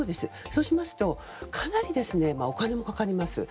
そうしますとかなりお金もかかります。